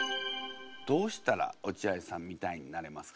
どうしたら落合さんみたいになれますか？